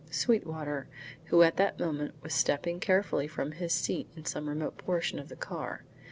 Sweetwater, who at that moment was stepping carefully from his seat in some remote portion of the car.